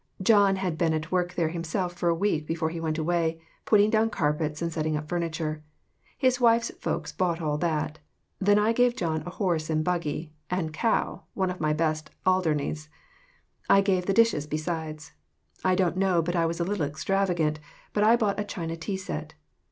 John had been at work there himself for a week before he went away, putting down carpets and setting up furniture. His wife's folks bought all that. Then I gave John a horse and buggy, and cow one of my best Alderneys ; I gave the dishes besides. I don't know but I was a little extravagant, but I bought a China tea set.